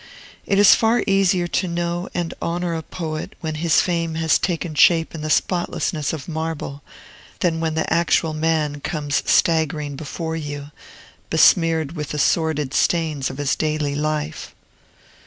It is far easier to know and honor a poet when his fame has taken shape in the spotlessness of marble than when the actual man comes staggering before you, besmeared with the sordid stains of his daily life.